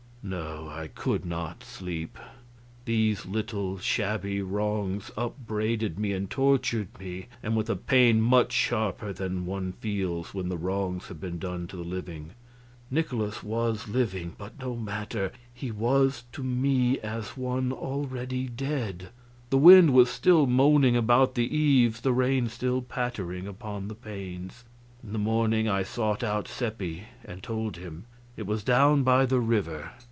No, I could not sleep. These little, shabby wrongs upbraided me and tortured me, and with a pain much sharper than one feels when the wrongs have been done to the living. Nikolaus was living, but no matter; he was to me as one already dead. The wind was still moaning about the eaves, the rain still pattering upon the panes. In the morning I sought out Seppi and told him. It was down by the river.